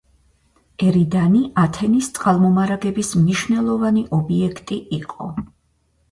ერიდანი ათენის წყალმომარაგების მნიშვნელოვანი ობიექტი იყო.